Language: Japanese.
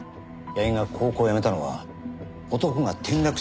矢木が高校を辞めたのは男が転落死した翌日です。